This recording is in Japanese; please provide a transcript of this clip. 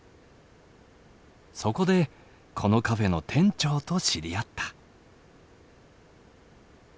そこでこのカフェの店長と知り合った。